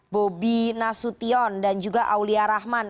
bobi nasution dan juga aulia rahman